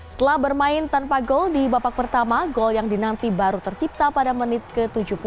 setelah bermain tanpa gol di babak pertama gol yang dinanti baru tercipta pada menit ke tujuh puluh